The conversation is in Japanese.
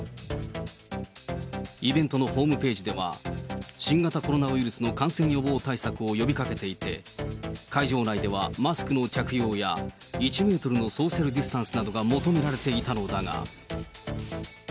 イベントのホームページでは、新型コロナウイルスの感染予防対策を呼びかけていて、会場内ではマスクの着用や、１メートルのソーシャルディスタンスなどが求められていたのだが。